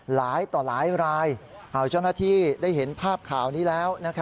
หลายต่อหลายรายเอาเจ้าหน้าที่ได้เห็นภาพข่าวนี้แล้ว